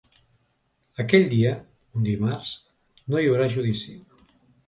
Aquell dia, un dimarts, no hi haurà judici.